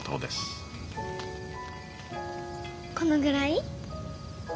このぐらい？